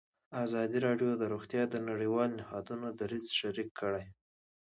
ازادي راډیو د روغتیا د نړیوالو نهادونو دریځ شریک کړی.